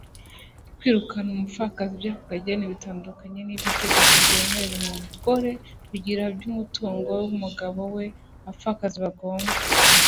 kwirukana umupfakazi by'ako kageni bitandukanye n'ibyo itegeko ryemerera umugore kugira cy'umutungo w'umugabo we. abapfakazi bagomba